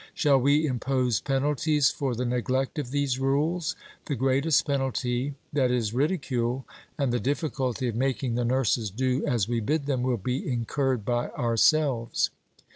Shall we impose penalties for the neglect of these rules? The greatest penalty, that is, ridicule, and the difficulty of making the nurses do as we bid them, will be incurred by ourselves.